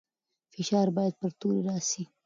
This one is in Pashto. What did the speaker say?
فشار باید پر توري راسي.